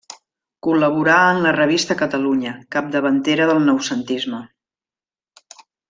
Col·laborà en la revista Catalunya, capdavantera del Noucentisme.